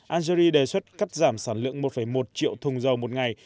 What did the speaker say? algeria đề xuất cắt giảm sản lượng một một triệu thùng dầu một ngày